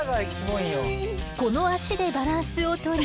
この足でバランスをとり。